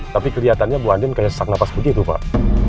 tapi kelihatannya bu aden kayak sesak nafas begitu pak